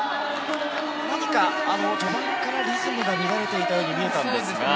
何か、序盤からリズムが乱れていたように見えたんですが。